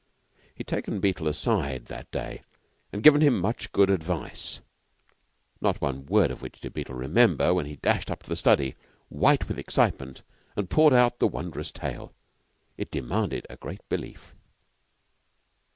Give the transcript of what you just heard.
He had taken Beetle aside that day and given him much good advice, not one word of which did Beetle remember when he dashed up to the study, white with excitement, and poured out the wondrous tale. It demanded a great belief.